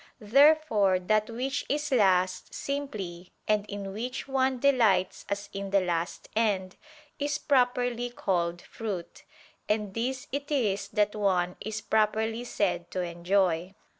Therefore that which is last simply, and in which one delights as in the last end, is properly called fruit; and this it is that one is properly said to enjoy.